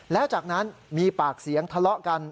แล้วจากนั้นมีปากเสียงทะเลาะกัน